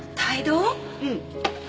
うん。